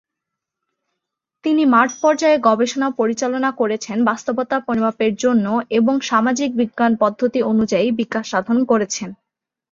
তিনি মাঠ পর্যায়ে গবেষণা পরিচালনা করেছেন বাস্তবতা পরিমাপের জন্য এবং সামাজিক বিজ্ঞান পদ্ধতি অনুযায়ী বিকাশ সাধন করেছেন।